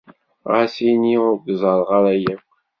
Ɣas ini ur k-ẓerreɣ ara yakk.